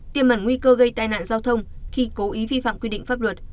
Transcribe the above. tiềm mẩn nguy cơ gây tai nạn giao thông khi cố ý vi phạm quy định pháp luật